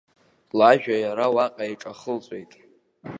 Лажәа иара уаҟа иҿахылҵәеит.